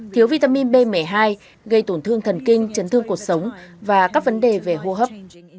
thiếu vitamin b một mươi hai gây tổn thương thần kinh chấn thương cuộc sống và các vấn đề về hô hấp